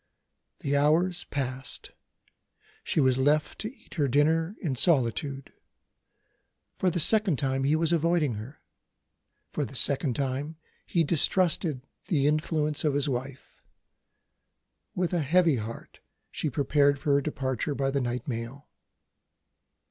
The hours passed she was left to eat her dinner in solitude. For the second time, he was avoiding her. For the second time, he distrusted the influence of his wife. With a heavy heart she prepared for her departure by the night mail.